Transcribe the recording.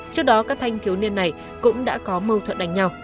trước đó các thanh thiếu niên này cũng đã có mâu thuận đánh nhau